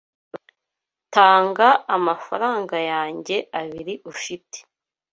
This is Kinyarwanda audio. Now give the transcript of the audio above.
Tanga amafaranga yanjye abiri ufite